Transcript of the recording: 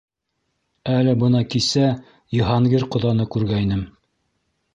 — Әле бына кисә Йыһангир ҡоҙаны күргәйнем.